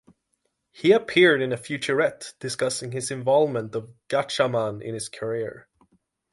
He appeared in a featurette discussing his involvement of Gatchaman in his career.